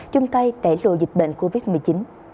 chung tay đẩy lùi dịch bệnh covid một mươi chín